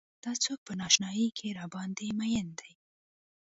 دا څوک په نا اشنايۍ کې راباندې مينه ده.